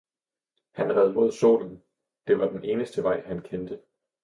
Han red mod solen. Det var den eneste vej han kendte.